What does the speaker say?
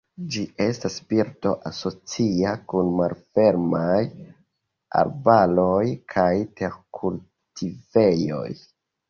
Ĝi estas birdo asocia kun malfermaj arbaroj kaj terkultivejoj.